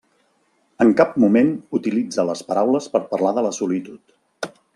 En cap moment utilitza les paraules per parlar de la solitud.